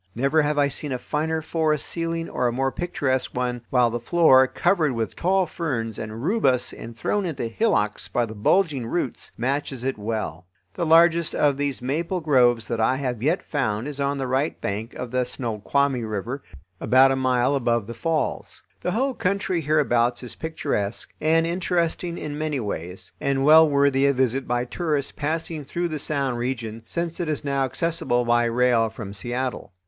Never have I seen a finer forest ceiling or a more picturesque one, while the floor, covered with tall ferns and rubus and thrown into hillocks by the bulging roots, matches it well. The largest of these maple groves that I have yet found is on the right bank of the Snoqualmie River, about a mile above the falls. The whole country hereabouts is picturesque, and interesting in many ways, and well worthy a visit by tourists passing through the Sound region, since it is now accessible by rail from Seattle.